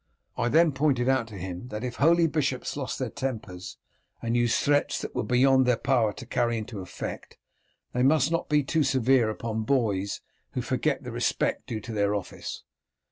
I then pointed out to him that if holy bishops lost their tempers and used threats that were beyond their power to carry into effect, they must not be too severe upon boys who forget the respect due to their office.